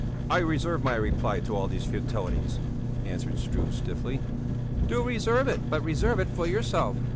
"I reserve my reply to all these futilities," answered Struve stiffly. "Do reserve it, but reserve it for yourself!"